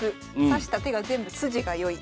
指した手が全部筋が良い。